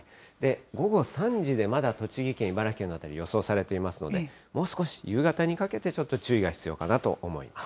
午後３時でまだ栃木県、茨城県の辺り、予想されていますので、もう少し、夕方にかけてちょっと注意が必要かなと思います。